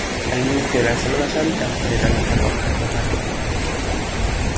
Al inicio de la Semana Santa, se realizan los carnavales.